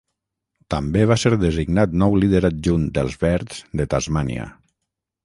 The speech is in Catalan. També va ser designat nou líder adjunt d'Els Verds de Tasmània.